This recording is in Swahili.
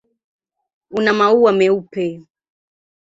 Una maua meupe.